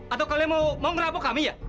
atau kalian mau ngerapu kami ya